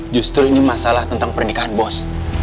justru ini masalah tentang pernikahan bos